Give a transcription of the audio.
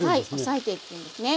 押さえていくんですね。